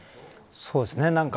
そうですね。